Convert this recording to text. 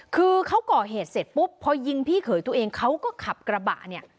คือเขาก่อเหตุเสร็จปุ๊บพอยิงพี่เขยตัวเองเขาก็ขับกระบะเนี่ย